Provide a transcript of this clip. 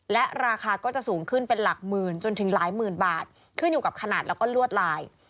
และราคาก็จะสูงขึ้นเป็นหลักหมื่นจนถึงหลายหมื่นบาทขึ้นอยู่กับขนาดแล้วก็ลวดลาย